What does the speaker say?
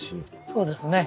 そうですね。